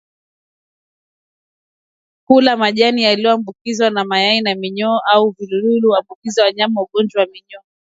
Kula majani yaliyoambukizwa na mayai ya minyoo au viluilui huambukiza wanyama ugonjwa wa minyoo